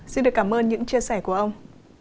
xin được cảm ơn những chia sẻ của ông